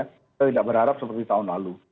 kita tidak berharap seperti tahun lalu